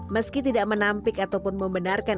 meski tidak menampik ataupun membenarkan